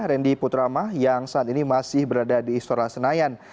randy putrama yang saat ini masih berada di istora senayan